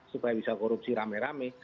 supaya bisa korupsi rame rame